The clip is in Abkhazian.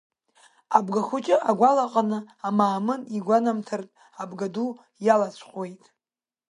Абгахәыҷы агәалаҟаны Амаамын игәанамҭартә Абгаду иалацәҟәуеит.